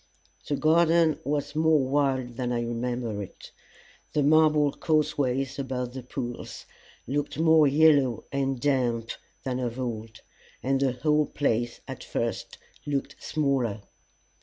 The garden was more wild than I remembered it; the marble causeways about the pools looked more yellow and damp than of old, and the whole place at first looked smaller.